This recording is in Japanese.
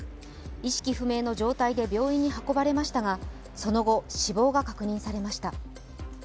意識不明の状態で病院に運ばれましたが、その後、死亡が確認されました。